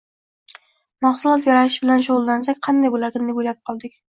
mahsulot yaratish bilan shugʻullansak qanday boʻlarkan, deb oʻylab qoldik.